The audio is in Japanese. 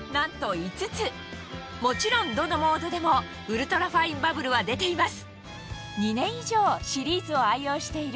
もちろんどのモードでもウルトラファインバブルは出ています